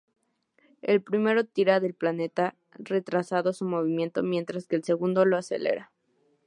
El primero tira del planeta retrasando su movimiento mientras que el segundo lo acelera.